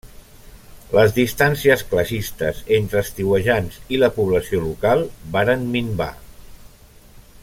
Les distàncies classistes entre estiuejants i la població local varen minvar.